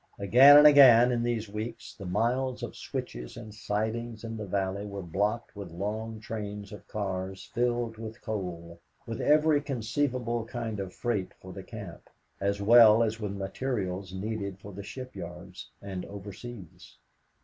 Again and again in these weeks, the miles of switches and sidings in the valley were blocked with long trains of cars filled with coal, with every conceivable kind of freight for the camp, as well as with materials needed for the shipyards and overseas.